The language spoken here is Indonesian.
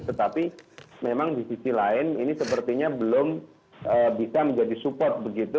tetapi memang di sisi lain ini sepertinya belum bisa menjadi support begitu